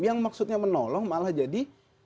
yang maksudnya menolong malah jadi